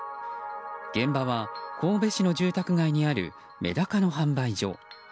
現場は神戸市の住宅街にあるメダカの販売所。